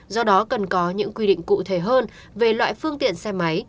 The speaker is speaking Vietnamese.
do đó cần có những quy định cụ thể hơn về loại phương tiện xe máy